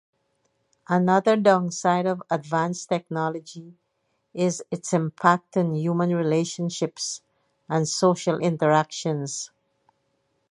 Another downside of advanced technology is its impact on human relationships and social interactions.